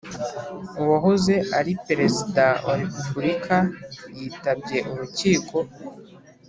uwahoze ari Perezida wa Repubulika yitabye urukiko.